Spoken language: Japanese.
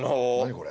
これ。